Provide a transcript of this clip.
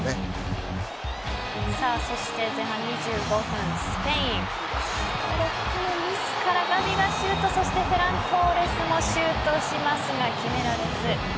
前半２５分、スペインモロッコのミスからガヴィがシュートそしてフェラントーレスもシュートしますが決められず。